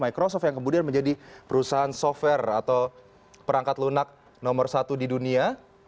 microsoft yang kemudian menjadi perusahaan software atau perangkat lunak nomor satu di dunia